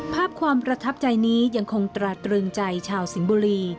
ภาพความประทับใจนี้ยังคงตราตรึงใจชาวสิงห์บุรี